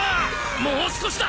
もう少しだ！